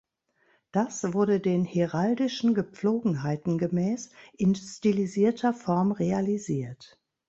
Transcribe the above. Das wurde den heraldischen Gepflogenheiten gemäß in stilisierter Form realisiert.